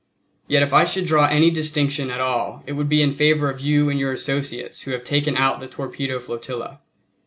Yet if I should draw any distinction at all it would be in favor of you and your associates who have taken out the torpedo flotilla.